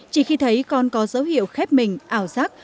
chỉ khi thấy con có dấu hiệu khép mình ảo giác